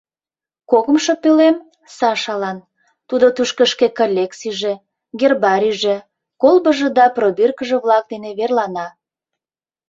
Кокымшо пӧлем — Сашалан; тудо тушко шке коллекцийже, гербарийже, колбыжо да пробиркыже-влак дене верлана.